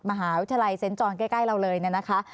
มหาวิทยาลัยเซ็นต์จรใกล้เราเลยเนี่ยนะคะ